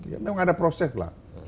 ya memang ada proses lah